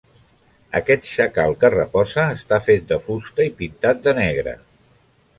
Aquest xacal que reposa està fet de fusta, i pintat de negre.